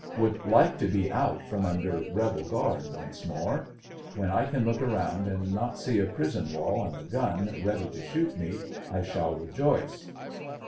Would like to be out from under rebel guard once more. When I can look around and not see a prison wall and a gun ready to shoot me, I shall rejoice.